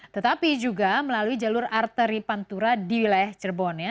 tetapi juga melalui jalur arteri pantura di wilayah cirebon